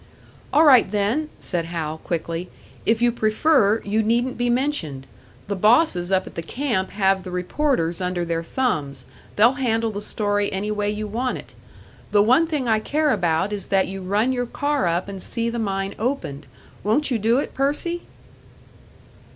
"All right then!" said Hal, quickly. "If you prefer, you needn't be mentioned. The bosses up at the camp have the reporters under their thumbs, they'll handle the story any way you want it. The one thing I care about is that you run your car up and see the mine opened. Won't you do it, Percy?"